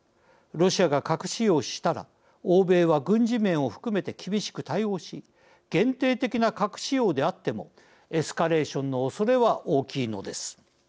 ロシアが核使用したら欧米は軍事面を含めて厳しく対応し限定的な核使用であってもエスカレーションのおそれは大きいのです。